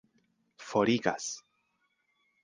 forigas